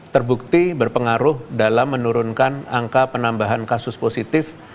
terbukti berpengaruh dalam menurunkan angka penambahan kasus positif